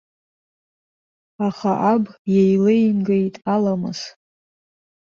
Аха аб иеилеимгеит аламыс.